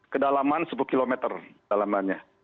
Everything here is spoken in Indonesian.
kedalaman sepuluh kilometer dalamannya